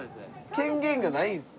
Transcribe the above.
権限がないんです。